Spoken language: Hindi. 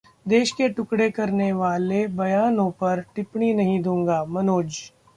देश के टुकड़े करने वाले बयानों पर टिप्पणी नहीं दूंगा: मनोज